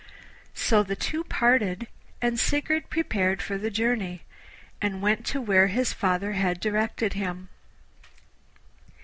So the two parted, and Sigurd prepared for the journey, and went to where his father had directed him.